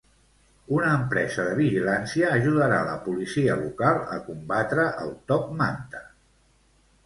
Una empresa de vigilància ajudarà la Policia Local a combatre el "top manta".